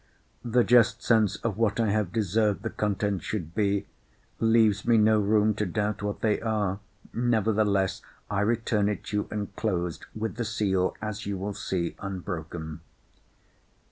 The just sense of what I have deserved the contents should be, leaves me no room to doubt what they are. Nevertheless, I return it you enclosed, with the seal, as you will see, unbroken.